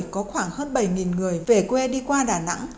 có khoảng hơn bảy người về quê đi qua đà nẵng